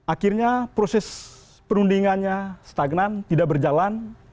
akhirnya proses perundingannya stagnan tidak berjalan